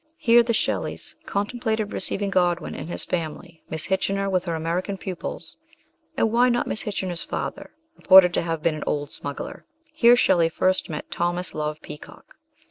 Here the Shelleys contemplated receiving Godwin and his family, Miss Kitchener with her American pupils ; and why not Miss Kitchener's father, reported to have been an old smug gler? Here Shelley Hrst met Thomas Love Peacock.